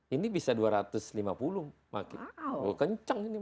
ini bisa dua ratus lima puluh km per jam